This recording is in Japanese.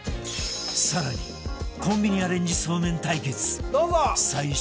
更にコンビニアレンジそうめん対決最終戦